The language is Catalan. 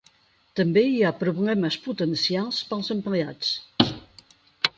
També hi ha problemes potencials pels empleats.